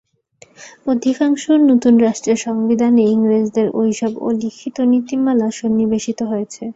অধিকাংশ নতুন রাষ্ট্রের সংবিধানে ইংরেজদের ওইসব অলিখিত নীতিমালা সন্নিবেশিত হয়েছে।